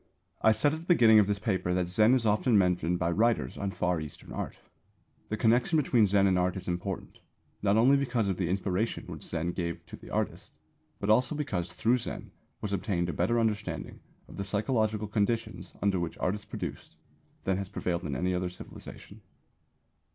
I said at the beginning of this paper that Zen is often mentioned by writers on Far Eastern Art. The connection between Zen and art is important, not only because of the inspiration which Zen gave to the artist, but also because through Zen was obtained a better understanding of the psychological conditions under which art is produced than has prevailed in any other civilisation.